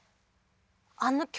あの曲